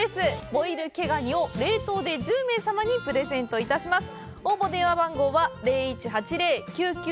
「ボイル毛ガニ」を冷凍で１０名様にプレゼントいたします。